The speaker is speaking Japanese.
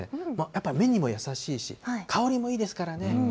やっぱり目にも優しいし、香りもいいですからね。